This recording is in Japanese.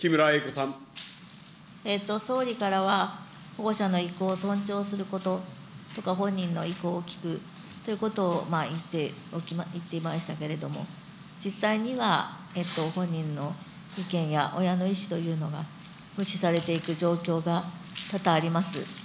総理からは、保護者の意向を尊重することとか、本人の意向を聞くということを言っていましたけれども、実際には、本人の意見や親の意思というのは無視されていく状況が多々あります。